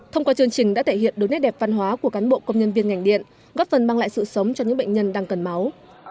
thông qua chương trình đã thể hiện đối nét đẹp văn hóa của cán bộ công nhân viên ngành điện góp phần mang lại sự sống cho những bệnh nhân đang cần máu